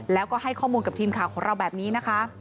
แล้วก็ให้ข้อมูลกับทีมข่าวของเราแบบนี้นะคะ